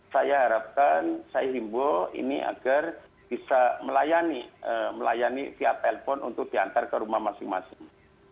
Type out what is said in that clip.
saya harapkan saya himbo ini agar bisa melayani via telepon untuk diantar ke rumah masing masing